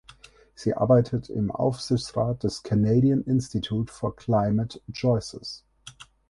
Sie arbeitet im Aufsichtsrat des Canadian Institut for Climate Choices.